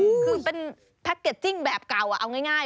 คือเป็นแพ็คเกจจิ้งแบบเก่าเอาง่าย